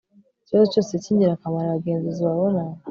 ikibazo cyose cy ingirakamaro abagenzuzi babona